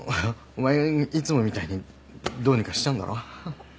お前いつもみたいにどうにかしちゃうんだろ？